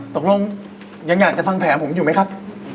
ตกลงยังอยากจะฟังแผลผมอยู่ไหมครับ